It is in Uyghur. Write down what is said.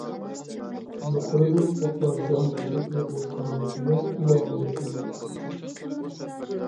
يۇقىرىدىن ئوقلار يامغۇردەك يېغىۋاتقان بولسىمۇ، ئۇلارغا يەتمەيۋاتاتتى.